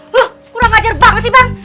wuh kurang ajar banget sih bang